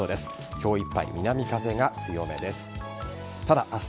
今日いっぱい南風が強めです。